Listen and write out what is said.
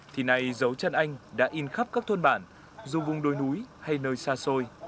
thì này dấu chân anh đã in khắp các thôn bản dù vùng đôi núi hay nơi xa xôi